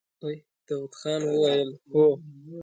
داوود خان وويل: هو!